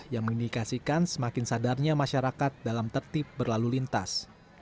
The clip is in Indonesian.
yang mengindikasikan semakin sadarnya masyarakat dalam tertib berlalu lintas